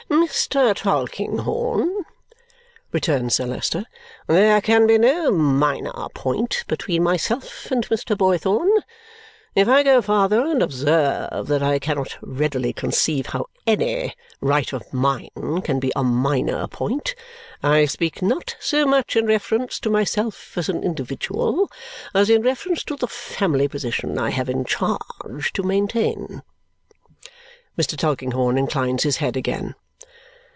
"Mr. Tulkinghorn," returns Sir Leicester, "there can be no minor point between myself and Mr. Boythorn. If I go farther, and observe that I cannot readily conceive how ANY right of mine can be a minor point, I speak not so much in reference to myself as an individual as in reference to the family position I have it in charge to maintain." Mr. Tulkinghorn inclines his head again.